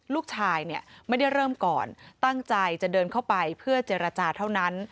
ลูกชายเนี่ยไม่ได้เริ่มก่อนตั้งใจจะเดินเข้าไปเพื่อเจรจาเท่านั้น